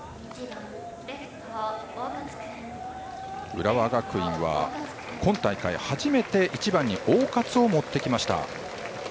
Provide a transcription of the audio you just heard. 浦和学院は今大会、初めて１番に大勝を持ってきました。